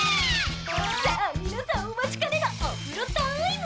さぁ皆さんお待ちかねのお風呂タイム！